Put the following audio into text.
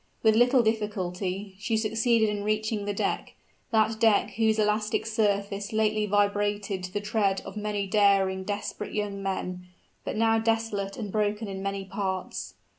With little difficulty she succeeded in reaching the deck, that deck whose elastic surface lately vibrated to the tread of many daring, desperate young men but now desolate and broken in many parts.